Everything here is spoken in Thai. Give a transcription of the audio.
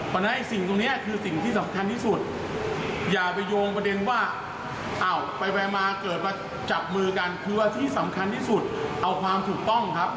เพราะฉะนั้นสิ่งตรงนี้คือสิ่งที่สำคัญที่สุดอย่าไปโยงประเด็นว่าอ้าวไปมาเกิดมาจับมือกันคือว่าที่สำคัญที่สุดเอาความถูกต้องครับ